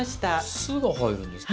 酢が入るんですね。